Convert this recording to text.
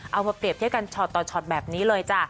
เอามาเปรียบเทียบกันช็อตต่อช็อตแบบนี้เลยจ้ะ